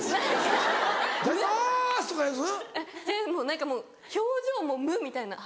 何かもう表情も無みたいな。